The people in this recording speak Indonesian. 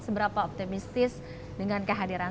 seberapa optimistis dengan kehadiran